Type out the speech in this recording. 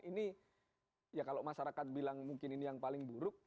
ini ya kalau masyarakat bilang mungkin ini yang paling buruk